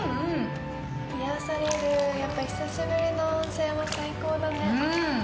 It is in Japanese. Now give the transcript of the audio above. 癒やされる、やっぱ久しぶりの温泉は最高だね。